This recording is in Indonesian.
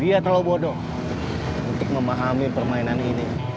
dia terlalu bodoh untuk memahami permainan ini